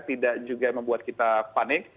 tidak juga membuat kita panik